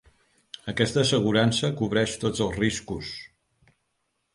Aquesta assegurança cobreix tots els riscos.